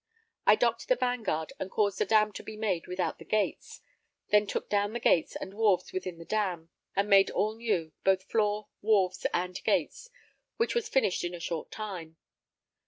I docked the Vanguard and caused a dam to be made without the gates; then took down the gates and wharves within the dam, and made all new, both floor, wharves and gates; which was finished in a short time.